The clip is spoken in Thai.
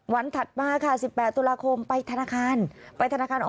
วันถัดมาค่ะ๑๘ตุลาคมไปธนาคาร